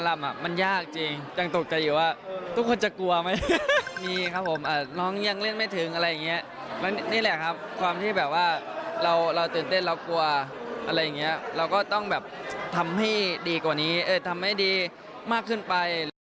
เราตื่นเต้นเรากลัวอะไรอย่างเงี้ยเราก็ต้องแบบเอึทำให้ดีกว่านี้เออทำให้ดีมากขึ้นไป